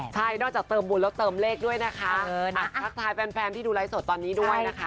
ใช่นอกจากเติมบุญแล้วเติมเลขด้วยนะคะทักทายแฟนที่ดูไลฟ์สดตอนนี้ด้วยนะคะ